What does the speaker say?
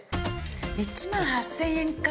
１万８０００円か。